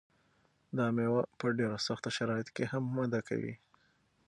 دا مېوه په ډېرو سختو شرایطو کې هم وده کوي.